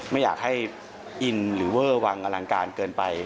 ไม่อยากให้อินหรือเวอร์วังอลังการเกินไป